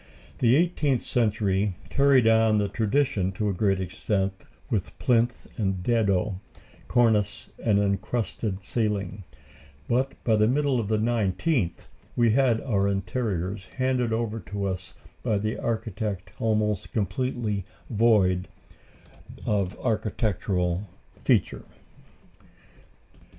The eighteenth century carried on the tradition to a great extent with plinth and dado, cornice and encrusted ceiling; but by the middle of the nineteenth we had our interiors handed over to us by the architect almost completely void of architectural feature.